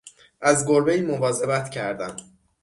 از گربهای مواظبت کردن